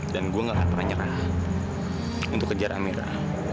dan saya tidak akan pernah menyerah untuk mengejar amira